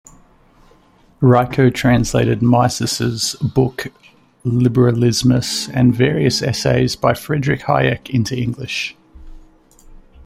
Raico translated Mises' book, "Liberalismus" and various essays by Friedrich Hayek into English.